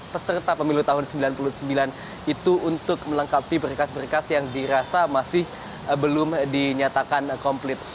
peserta pemilu tahun seribu sembilan ratus sembilan puluh sembilan itu untuk melengkapi berkas berkas yang dirasa masih belum dinyatakan komplit